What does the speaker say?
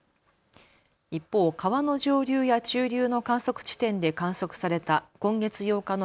一方、川の上流や中流の観測地点で観測された今月８日の